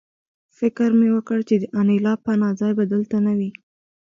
فکر مې وکړ چې د انیلا پناه ځای به دلته نه وي